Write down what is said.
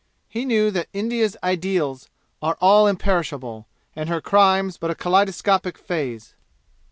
He knew that India's ideals are all imperishable, and her crimes but a kaleidoscopic phase.